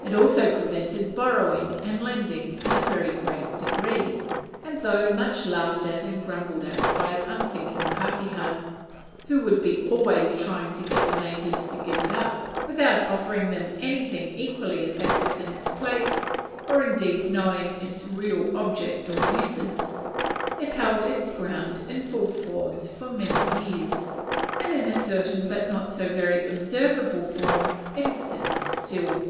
It also prevented borrowing and lending in a very great degree; and though much laughed at and grumbled at by unthinking pakehas who would be always trying to get the natives to give it up, without offering them anything equally effective in its place, or indeed knowing its real object or uses it held its ground in full force for many years; and, in a certain but not so very observable a form, it exists still.